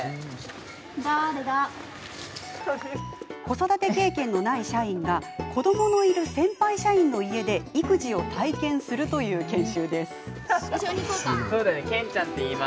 子育て経験のない社員が子どものいる先輩社員の家で育児を体験する研修です。